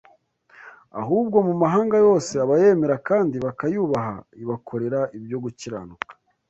Ahubwo mu mahanga yose abayemera kandi bakayubaha ibakorera ibyo gukiranuka